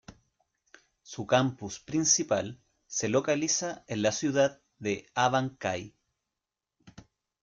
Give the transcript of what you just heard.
Su campus principal se localiza en la ciudad de Abancay.